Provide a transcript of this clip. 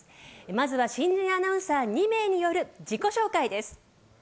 まずは新人アナウンサー２名による自己紹介です。